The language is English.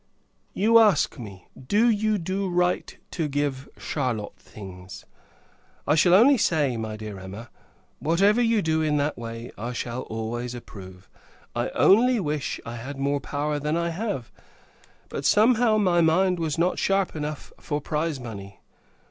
You ask me, Do you do right to give Charlotte things? I shall only say, my dear Emma, whatever you do in that way, I shall always approve. I only wish, I had more power than I have! But, somehow, my mind was not sharp enough for prize money.